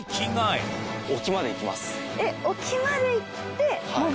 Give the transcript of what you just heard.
えっ沖まで行って。